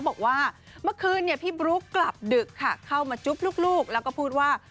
บอกว่าเมื่อคืนพี่บลุ๊กกลับดึกค่ะเข้ามาจุ๊บลูกแล้วก็พูดว่า